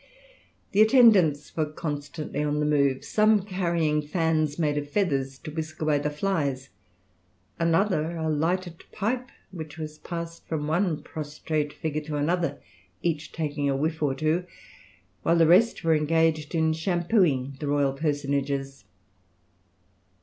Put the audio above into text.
The attendants were constantly on the move, some carrying fans made of feathers to whisk away the flies; another a lighted pipe, which was passed from one prostrate figure to another, each taking a whiff or two, while the rest were engaged in shampooing the royal personages....